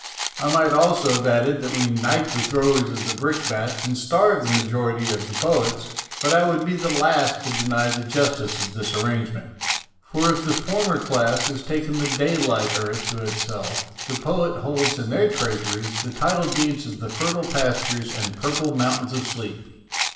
I might almost have added that we knight the throwers of brick bats and starve the majority of the poets, but I would be the last to deny the justice of this arrangement, for if the former class has taken the day light earth to itself, the poets hold in their treasuries the title deeds of the fertile pastures and purple mountains of sleep.